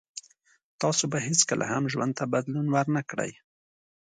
تاسو به هیڅکله هم ژوند ته بدلون ور نه کړی